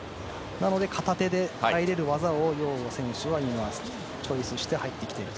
なので片手で入れる技をヨウ選手は今、チョイスして入ってきていると。